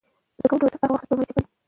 زده کوونکې به تر هغه وخته پورې مجلې چاپوي.